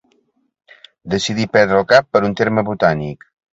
Decidí perdre el cap per un terme botànic.